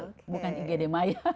bukan igd maya